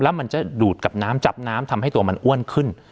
แล้วมันจะดูดกับน้ำจับน้ำทำให้ตัวมันอ้วนขึ้น